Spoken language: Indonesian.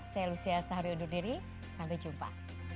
saya lucia sahari undur diri sampai jumpa